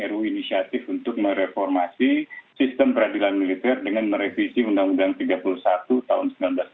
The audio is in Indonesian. ru inisiatif untuk mereformasi sistem peradilan militer dengan merevisi undang undang tiga puluh satu tahun seribu sembilan ratus sembilan puluh